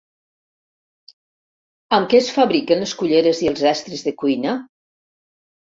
Amb què es fabriquen les culleres i els estris de cuina?